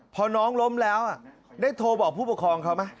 พอน้องล้มแล้วได้โทรบอกผู้ปกครองเขาไหม